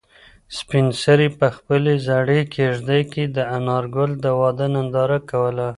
سپین سرې په خپلې زړې کيږدۍ کې د انارګل د واده ننداره کوله.